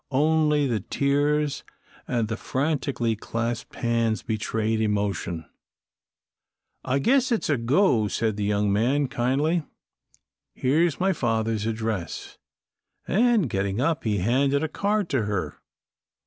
Only the tears and the frantically clasped hands betrayed emotion. "I guess it's a go," said the young man, kindly. "Here's my father's address," and getting up he handed a card to her.